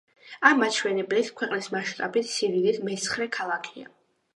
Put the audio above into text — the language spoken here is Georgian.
ამ მაჩვენებლით, ქვეყნის მასშტაბით სიდიდით მეცხრე ქალაქია.